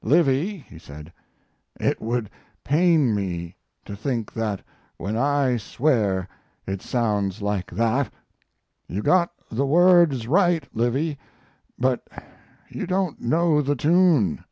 "Livy," he said, "it would pain me to think that when I swear it sounds like that. You got the words right, Livy, but you don't know the tune."